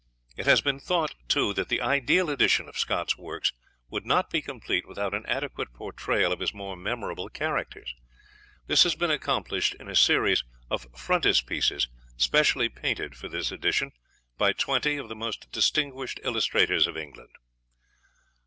It has been thought, too, that the ideal edition of Scott's works would not be complete without an adequate portrayal of his more memorable characters. This has been accomplished in a series of frontispieces specially painted for this edition by twenty of the most distinguished illustrators of England.